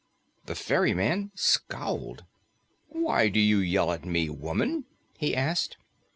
The ferryman scowled. "Why do you yell at me, woman?" he asked.